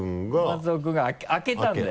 松尾君が開けたんだよ。